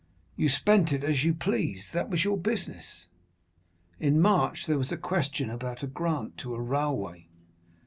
You spent it as you pleased; that was your business. In March there was a question about a grant to a railway.